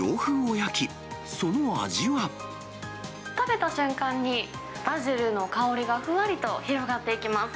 食べた瞬間に、バジルの香りがふわりと広がっていきます。